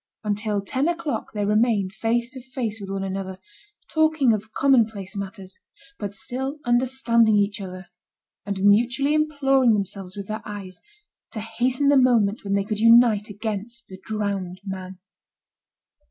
Until ten o'clock they remained face to face with one another, talking of commonplace matters, but still understanding each other, and mutually imploring themselves with their eyes, to hasten the moment when they could unite against the drowned man.